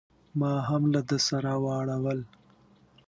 ما هم له ده سره واړول.